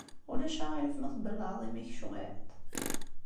Ulac aɣilif ma tbellɛeḍ imi-k cwiṭ?